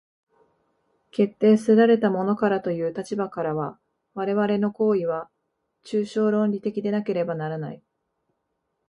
決定せられたものからという立場からは、我々の行為は抽象論理的でなければならない。